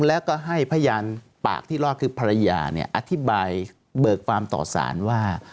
แล้วก็ให้พยานปากที่รอดคือภรรยาอธิบายเบิกความต่อสารว่า